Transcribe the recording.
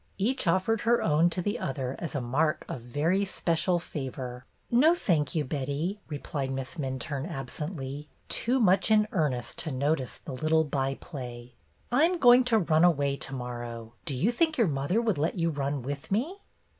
Each offered her own to the other as a mark of very special favor. "No, thank you, Betty," replied Miss Min turne, absently, too much in earnest to notice 90 BETTY BAIRD'S GOLDEN YEAR the little byplay. "I 'm going to run away to morrow. Do you think your mother would let you run with me